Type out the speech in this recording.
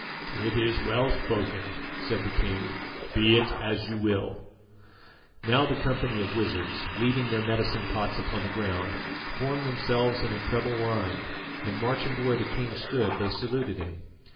"It is well spoken," said the king; "be it as you will." Now the company of wizards, leaving their medicine pots upon the ground, formed themselves in a treble line, and marching to where the king stood, they saluted him.